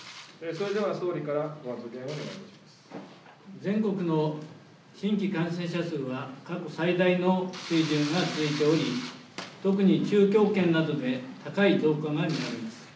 全国の新規感染者数は過去最大の水準が続いており特に中京圏などで高い状況が見られます。